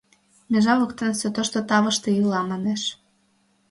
Межа воктенысе тошто тавыште ила, манеш.